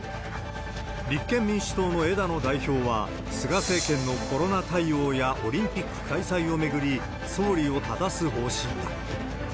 立憲民主党の枝野代表は、菅政権のコロナ対応やオリンピック開催を巡り、総理をただす方針だ。